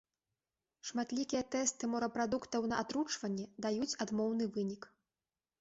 Шматлікія тэсты морапрадуктаў на атручванне даюць адмоўны вынік.